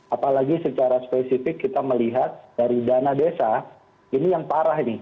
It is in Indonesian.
apalagi secara spesifik kita melihat dari dana desa ini yang parah ini